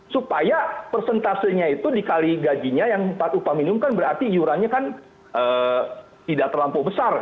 supaya persentasenya itu dikali gajinya yang empat upah minimum kan berarti iurannya kan tidak terlampau besar